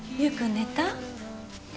寝た。